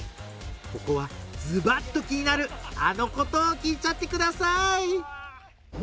ここはズバッと気になるあのことを聞いちゃってください！